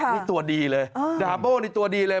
นี่ตัวดีเลยดาโบ้นี่ตัวดีเลย